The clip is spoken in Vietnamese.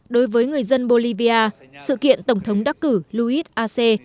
đối với người dân bolivia sự kiện tổng thống đắc cử luis ac